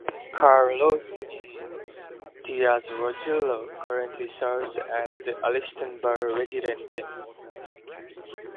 Carlos E. Diaz Rosillo currently serves as the Allston Burr Resident Dean.